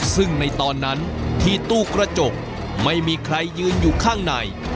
ซึ่งในตอนนั้นที่ตู้กระจกไม่มีใครยืนอยู่ข้างใน